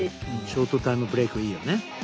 ショートタイムブレークいいよね。